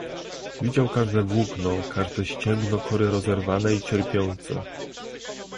"Widział każde włókno, każde ścięgno kory rozerwane i cierpiące."